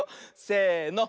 せの。